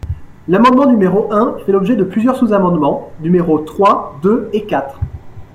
L’amendement numéro un fait l’objet de plusieurs sous-amendements, numéros trois, deux et quatre.